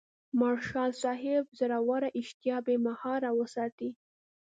مارشال صاحب زوروره اشتها بې مهاره وساتي.